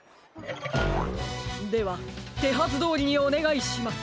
ではてはずどおりにおねがいします。